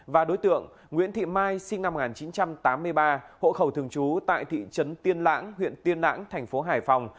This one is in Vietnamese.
và đối tượng nguyễn thị mai sinh năm một nghìn chín trăm tám mươi ba hộ khẩu thường trú tại thị trấn tiên lãng huyện tiên lãng thành phố hải phòng